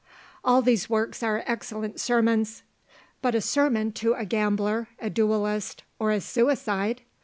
All these works are excellent sermons; but a sermon to a gambler, a duellist, or a suicide!